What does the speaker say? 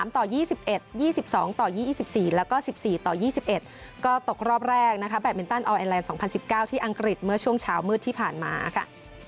ต่อ๒๑๒๒ต่อ๒๔แล้วก็๑๔ต่อ๒๑ก็ตกรอบแรกนะคะแบบมินตันออนไอแลนด์๒๐๑๙ที่อังกฤษเมื่อช่วงเช้ามืดที่ผ่านมาค่ะ